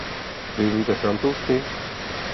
Vy umíte francouzsky?